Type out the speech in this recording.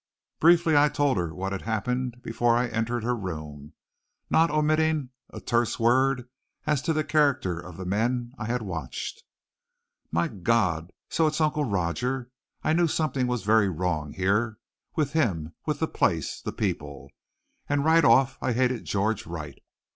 Briefly I told her what had happened before I entered her room, not omitting a terse word as to the character of the men I had watched. "My God! So it's Uncle Roger! I knew something was very wrong here with him, with the place, the people. And right off I hated George Wright.